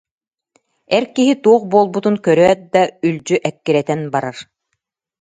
Эр киһи туох буолбутун көрөөт да, үлдьү эккирэтэн барар